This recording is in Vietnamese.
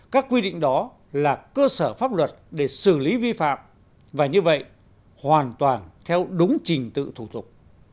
các quy định đó là cơ sở pháp luật để xử lý vi phạm và như vậy hoàn toàn theo đúng trình tự thủ tục